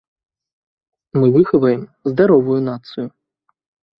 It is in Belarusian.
Мы выхаваем здаровую нацыю.